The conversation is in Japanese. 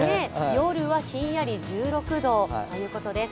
夜はひんやり１６度ということです。